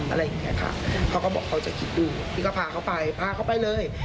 อะไรอย่างเงี้ยค่ะเขาก็บอกเขาจะคิดดูพี่ก็พาเขาไปพาเขาไปเลย